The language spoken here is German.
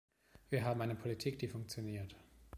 Wir haben eine Politik, die funktioniert.